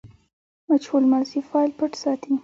مجهول ماضي فاعل پټ ساتي.